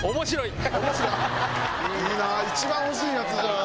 いいなぁ一番欲しいやつじゃん。